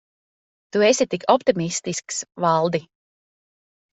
Tu esi tik optimistisks, Valdi.